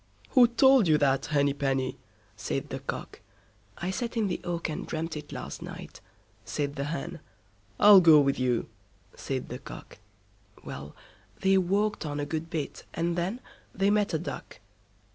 "Who told you that, Henny Penny", said the Cock. "I sat in the oak and dreamt it last night", said the Hen. "I'll go with you", said the Cock. Well! they walked on a good bit, and then they met a Duck.